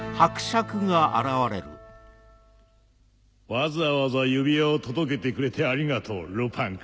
わざわざ指輪を届けてくれてありがとうルパン君。